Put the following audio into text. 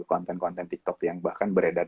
konten konten tiktok yang bahkan beredar